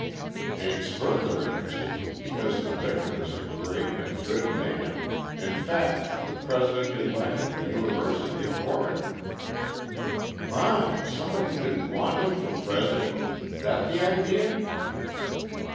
"It's further interesting, because the victim is a great and good man, in fact, the President elect of the University of Corinth." "My! Somebody didn't want him for president? That the idea?"